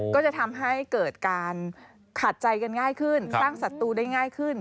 ก็จะทำให้เกิดการขาดใจกันง่ายขึ้นสร้างศัตรูได้ง่ายขึ้น